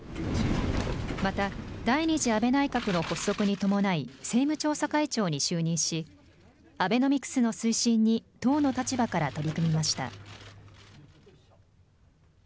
また、第２次安倍内閣の発足に伴い、政務調査会長に就任し、アベノミクスの推進に党の立場から取り組みました。